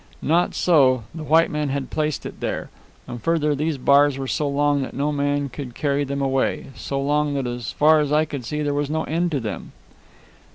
"Not so; the white men had placed it there. And further, these bars were so long that no man could carry them away so long that as far as I could see there was no end to them."